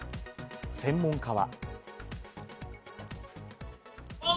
専門家は。